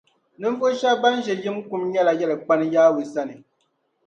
Ninvuɣ’ shɛb’ bɛn ʒe yim kum nyɛla yɛlikpani Yawɛ sani.